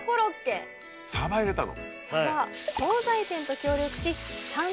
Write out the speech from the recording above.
サバ入れたの。